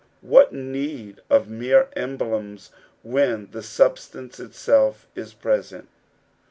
What need of mere emblems when the substance itself is present